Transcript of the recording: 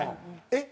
えっ？